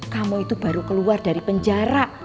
kamu itu baru keluar dari penjara